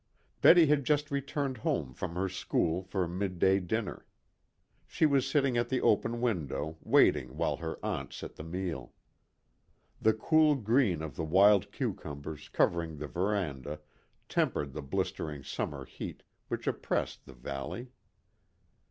Betty had just returned home from her school for midday dinner. She was sitting at the open window, waiting while her aunt set the meal. The cool green of the wild cucumbers covering the veranda tempered the blistering summer heat which oppressed the valley.